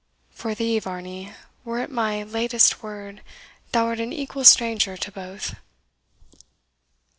For thee, Varney, were it my latest word, thou art an equal stranger to both."